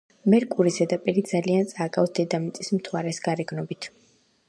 მერკურის ზედაპირი ძალიან წააგავს დედამიწის მთვარეს გარეგნობით.